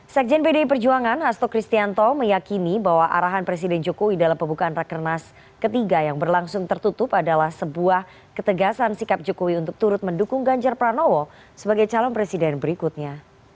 sekjen pdi perjuangan hasto kristianto meyakini bahwa arahan presiden jokowi dalam pembukaan rekernas ketiga yang berlangsung tertutup adalah sebuah ketegasan sikap jokowi untuk turut mendukung ganjar pranowo sebagai calon presiden berikutnya